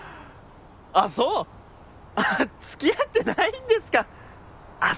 あっそう付き合ってないんですかあっ